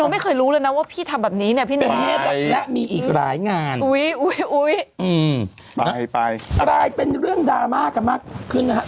น้องไม่เคยรู้เลยนะว่าพี่ทำแบบนี้แมกมีอีกหลายงานอุ๊ยไปเป็นเรื่องดาม่าขึ้นนะคะ